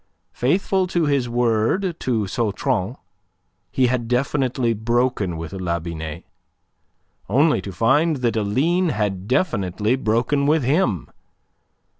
Faithful to his word to Sautron he had definitely broken with La Binet, only to find that Aline had definitely broken with him.